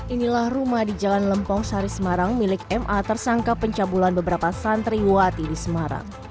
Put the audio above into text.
inilah rumah di jalan lempong sari semarang milik ma tersangka pencabulan beberapa santriwati di semarang